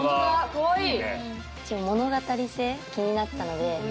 かわいい！